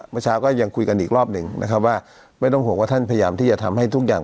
เมื่อเช้าก็ยังคุยกันอีกรอบหนึ่งนะครับว่าไม่ต้องห่วงว่าท่านพยายามที่จะทำให้ทุกอย่าง